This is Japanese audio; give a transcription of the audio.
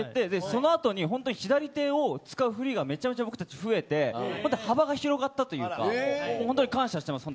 そのあとに左手を使う振りがめちゃくちゃ増えて幅が広がって感謝してます。